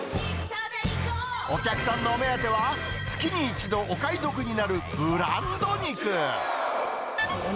お客さんのお目当ては、月に１度、お買い得になるブランド肉。